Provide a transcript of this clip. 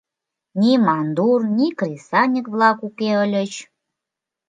ни мандур, ни кресаньык-влак уке ыльыч.